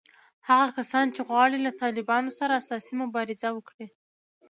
هغه کسان چې غواړي له طالبانو سره اساسي مبارزه وکړي